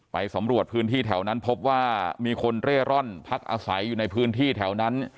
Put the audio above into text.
ไปสำรวจพื้นที่แถวนั้นพบว่ามีคนเร่ร่อนพักอาศัยอยู่ในพื้นที่แถวนั้น